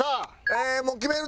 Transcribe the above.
もう決めるで。